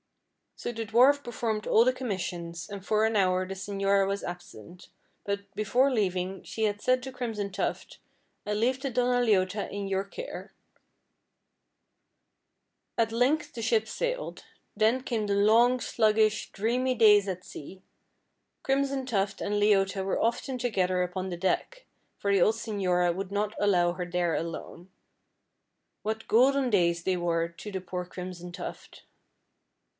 So the dwarf performed all the commissions, and for an hour the señora was absent; but, before leaving, she had said to Crimson Tuft, "I leave the Donna Leota in your care." At length the ship sailed. Then came the long, sluggish, dreamy days at sea. Crimson Tuft and Leota were often together upon the deck, for the old señora would not allow her there alone. What golden days they were to the poor Crimson Tuft.